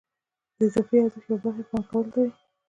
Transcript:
د اضافي ارزښت یوې برخې پانګه کولو ته وایي